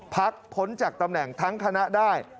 พ้นจากตำแหน่งทั้งคณะได้